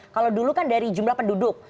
kalau dulu kan dari jumlah penduduk